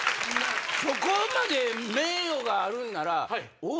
そこまで名誉があるんなら。